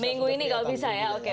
minggu ini kalau bisa ya oke